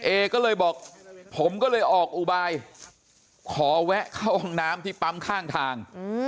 เอก็เลยบอกผมก็เลยออกอุบายขอแวะเข้าห้องน้ำที่ปั๊มข้างทาง